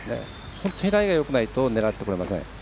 本当にライがよくないと狙ってこれません。